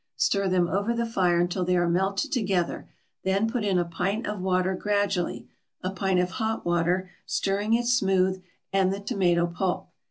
Stir them over the fire until they are melted together, then put in a pint of water gradually a pint of hot water stirring it smooth; and the tomato pulp.